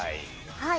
はい。